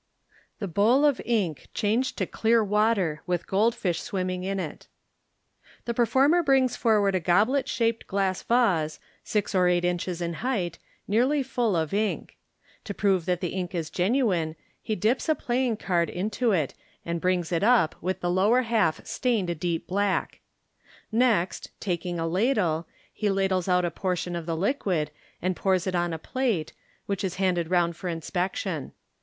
The Bowl of Ink changed to clear Water, with Gold Fish Swimming in it. — The performer brings forward a goblet shaped glass vase, six or eight inches in height, nearly fall of ink. To prove that the ink is genuine, he dips a playing card into it, and brings it up with the lower half stained a deep black. Next, taking a ladle, he ladles out a portion of the liquid, and pours it on a plate, which is handed round for inspection.